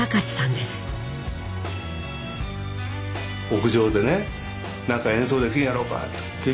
屋上でね何か演奏できんやろうかって。